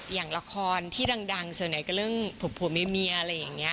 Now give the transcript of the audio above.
อย่างละครที่ดังส่วนใหญ่ก็เรื่องผัวเมียอะไรอย่างนี้